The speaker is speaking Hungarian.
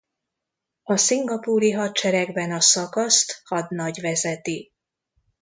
A Szingapúri hadseregben a szakaszt hadnagy vezeti.